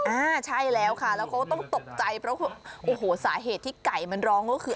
อ่าใช่แล้วค่ะแล้วเขาก็ต้องตกใจเพราะว่าโอ้โหสาเหตุที่ไก่มันร้องก็คือ